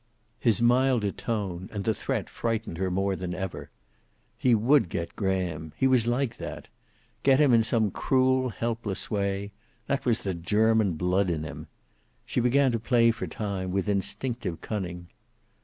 His milder tone and the threat frightened her more than ever. He would get Graham; he was like that. Get him in some cruel, helpless way; that was the German blood in him. She began to play for time, with instinctive cunning.